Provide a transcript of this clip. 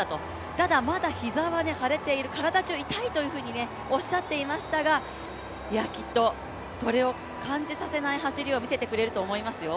ただまだ膝は腫れている、体じゅう痛いとおっしゃっていましたが、きっとそれを感じさせない走りを見せてくれると思いますよ。